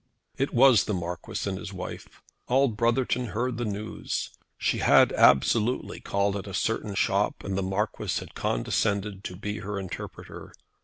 It was the Marquis and his wife. All Brotherton heard the news. She had absolutely called at a certain shop and the Marquis had condescended to be her interpreter.